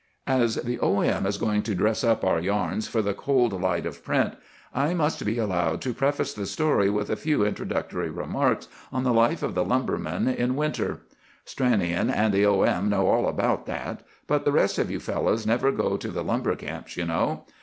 "As the O. M. is going to dress up our yarns for the cold light of print, I must be allowed to preface the story with a few introductory remarks on the life of the lumbermen in winter. Stranion and the O. M. know all about that; but the rest of you fellows never go to the lumber camps, you know.